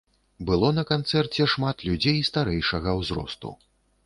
Было на канцэрце шмат людзей старэйшага ўзросту.